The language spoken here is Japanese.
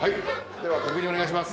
では確認お願いします。